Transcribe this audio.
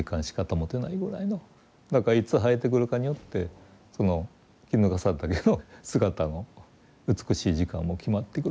だからいつ生えてくるかによってそのキヌガサダケの姿の美しい時間も決まってくるという。